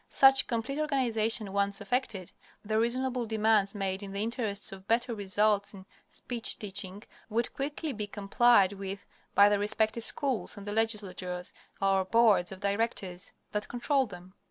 Such complete organization once effected, the reasonable demands made in the interests of better results in speech teaching would quickly be complied with by the respective schools and the legislatures or boards of directors that control them.